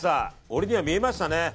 俺には見えましたね。